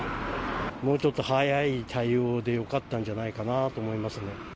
もうちょっと早い対応でよかったんじゃないかなと思いますが。